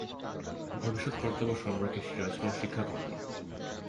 ভবিষ্যৎ কর্তব্য সম্পর্কে সিরাজ কোন শিক্ষা পাননি।